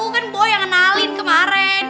kan boy yang ngenalin kemaren